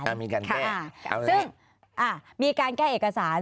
ซึ่งมีการแก้เอกสาร